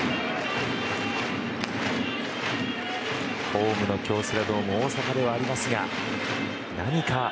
ホームの京セラドーム大阪ではありますが何か、